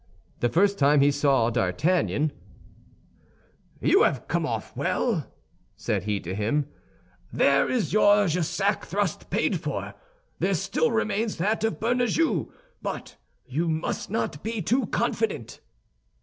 The first time he saw D'Artagnan, "You have come off well," said he to him; "there is your Jussac thrust paid for. There still remains that of Bernajoux, but you must not be too confident."